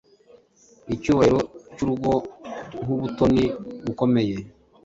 Icyubahiro cyurugo nkubutoni bukomeye